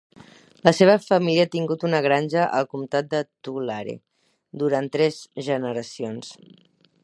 La seva família ha tingut una granja al comtat de Tulare durant tres generacions.